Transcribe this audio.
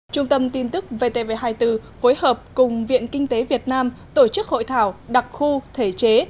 trung tâm tin tức vtv hai mươi bốn phối hợp cùng viện kinh tế việt nam tổ chức hội thảo đặc khu thể chế